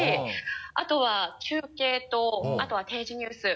あとは中継とあとは定時ニュース。